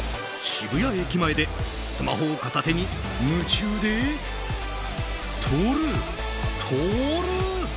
渋谷駅前でスマホを片手に夢中で撮る、撮る。